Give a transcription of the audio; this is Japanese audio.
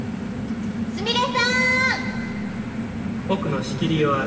すみれさん！